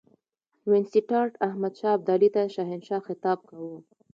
وینسیټارټ احمدشاه ابدالي ته شهنشاه خطاب کاوه.